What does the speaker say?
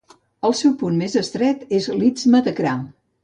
El seu punt més estret és l'istme de Kra.